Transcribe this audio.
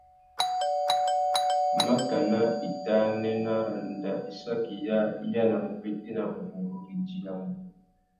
Makana itānê nà arandissaki yâā i yānamú ubétēna nguru râ idiya mbunu.